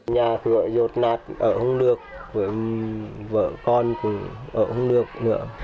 nhà cửa rột nát ở không được với vợ con thì ở không được nữa